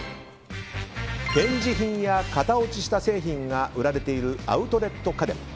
展示品や型落ちした製品が売られているアウトレット家電。